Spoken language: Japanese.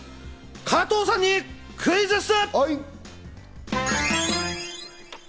加藤さんにクイズッス！